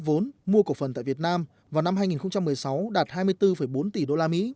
tổng số vốn đầu tư nước ngoài góp vốn mua cổ phần tại việt nam vào năm hai nghìn một mươi sáu đạt hai mươi bốn bốn tỷ usd